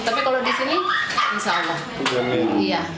tapi kalau di sini insya allah